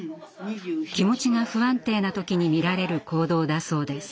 気持ちが不安定な時に見られる行動だそうです。